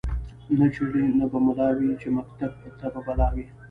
نه چړي نه به مُلا وی چي مکتب ته به بلا وي